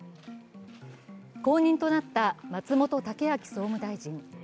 後任となった松本剛明総務大臣。